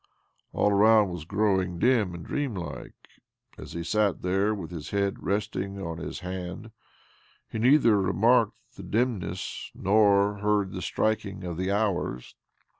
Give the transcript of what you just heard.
All around was growing^ dim 232 OBLOMOV and dreamlike. As he Sat there with his head resting on his hand he neither remarked the dimness nor heard the striking of the hours.